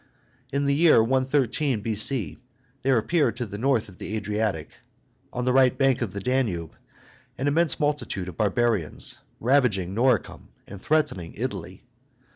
In the year 113 B.C. there appeared to the north of the Adriatic, on the right bank of the Danube, an immense multitude of barbarians, ravaging Noricum and threatening Italy.